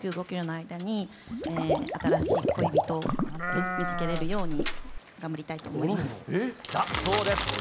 キロの間に、新しい恋人を見つけれるように、頑張りたいと思います。